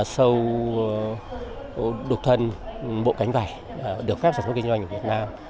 sâu đục thân bộ cánh vải được phép sử dụng với kinh doanh của việt nam